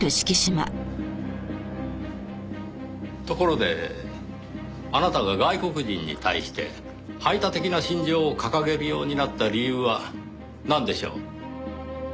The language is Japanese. ところであなたが外国人に対して排他的な信条を掲げるようになった理由はなんでしょう？